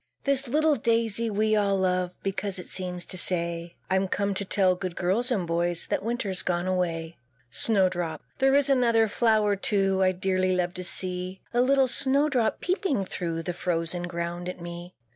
This little Daisy we all love, Because it seems to say, "I'm come to tell good girls and boys, That Winter's gone away." SNOWDROP. There is another flower, too, I dearly love to see; The little Snowdrop, peeping through The frozen ground at me.